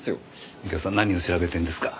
右京さん何を調べてるんですか？